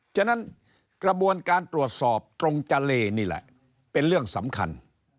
ฉะนั้นกระบวนการตรวจสอบตรงเจเลนี่แหละเป็นเรื่องสำคัญ